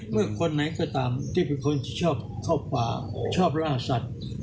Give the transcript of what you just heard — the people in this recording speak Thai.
เมื่อคนไหนก็ตามที่เป็นคนที่ชอบเข้าป่าชอบล่าสัตว์